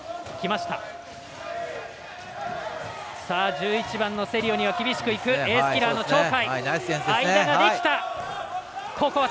１１番のセリオには厳しくいくエースキラーの鳥海。